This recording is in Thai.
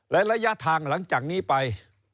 และระยะทางหลังจากนี้ไป